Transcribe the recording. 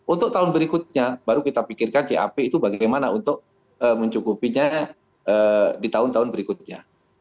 untuk tahun berikutnya baru kita pikirkan cap itu bagaimana untuk mencukupinya di tahun tahun berikutnya